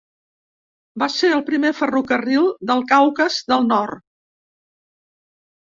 Va ser el primer ferrocarril del Caucas del Nord.